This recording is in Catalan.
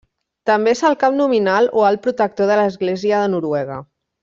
També és el cap nominal o Alt Protector de l'Església de Noruega.